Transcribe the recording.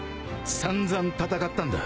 散々戦ったんだ。